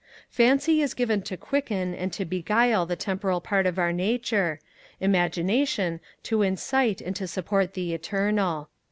Fancy is given to quicken and to beguile the temporal part of our nature, Imagination to incite and to support the eternal.